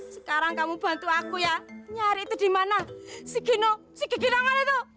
sekarang kamu bantu aku ya nyari itu dimana si gino si gigi namanya itu